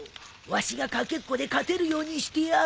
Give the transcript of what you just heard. わしが駆けっこで勝てるようにしてやろう。